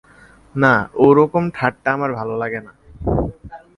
না, ওরকম ঠাট্টা আমার ভালো লাগে না।